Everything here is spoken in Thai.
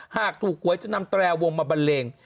หากถูกหวยจะนำแตรวงมาบันเลง